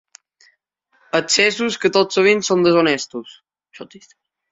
Excessos que tot sovint són deshonestos.